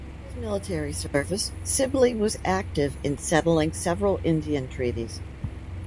After his military service, Sibley was active in settling several Indian treaties.